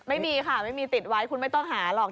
ไม่มีค่ะไม่มีติดไว้คุณไม่ต้องหาหรอก